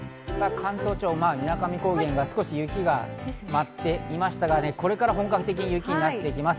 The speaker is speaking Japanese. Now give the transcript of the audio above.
関東地方、水上高原、少し雪が舞っていましたが、これから本格的に雪が降ってきます。